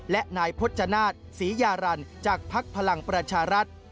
และนายพชะนาทศ์ศรียารันทร์จากภาคพลังประชารัฐ